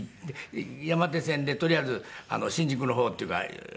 山手線でとりあえず新宿の方っていうか。